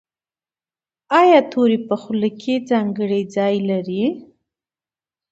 ایا توری په خوله کې ځانګړی ځای لري؟